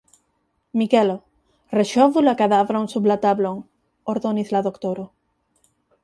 Mikelo, reŝovu la kadavron sub la tablon, ordonis la doktoro.